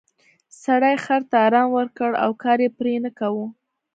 سړي خر ته ارام ورکړ او کار یې پرې نه کاوه.